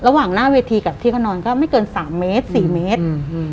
ระหว่างหน้าเวทีกับที่เขานอนก็ไม่เกิน๓เมตร๔เมตร